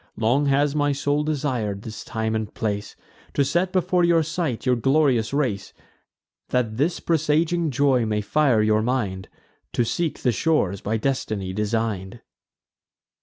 Long has my soul desir'd this time and place, To set before your sight your glorious race, That this presaging joy may fire your mind To seek the shores by destiny design'd."